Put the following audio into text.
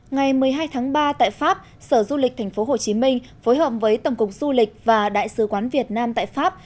ngày một mươi hai tháng ba tại pháp sở du lịch tp hcm phối hợp với tổng cục du lịch và đại sứ quán việt nam tại pháp